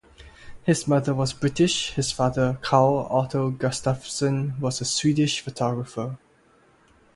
His mother was British, his father, Carl Otto Gustafson, was a Swedish photographer.